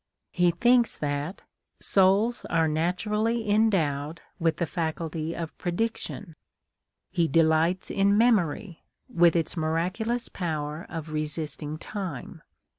He thinks that " souls are naturally endowed with the faculty of prediction ;" he delights in memory, with its miraculous power of resisting time.